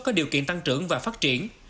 có điều kiện tăng trưởng và phát triển